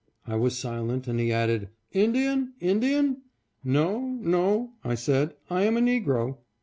I was silent, and he added, " Indian, In dian ?"" No, no," I said ;" I am a negro."